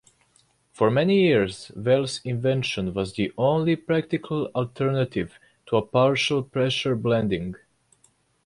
For many years Wells' invention was the only practical alternative to partial pressure blending.